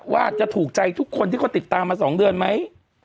ว่าจะถูกใจทุกคนที่เขาติดตามมา๒เดือนไหม